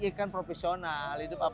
beberapa kali terlihat serius sih